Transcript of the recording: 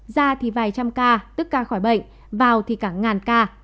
da thì vài trăm ca tức ca khỏi bệnh vào thì cả ngàn ca